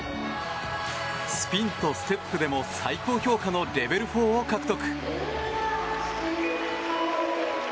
スピンとステップでも最高評価のレベル４を獲得。